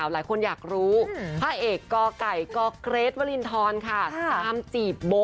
หลายคนอยากรู้พระเอกกไก่กเกรทวรินทรค่ะตามจีบโบ